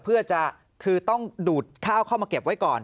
เพื่อจะคือต้องดูดข้าวเข้ามาเก็บไว้ก่อน